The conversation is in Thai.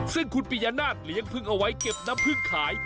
ซึ่งคุณปียนาศเลี้ยงพึ่งเอาไว้เก็บน้ำพึ่งขาย